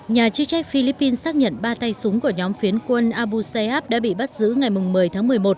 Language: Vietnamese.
nhà chức trách philippines xác nhận ba tay súng của nhóm phiến quân abuseab đã bị bắt giữ ngày một mươi tháng một mươi một